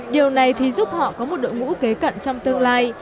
điều này thì giúp họ có một đội ngũ kế cận trong tương lai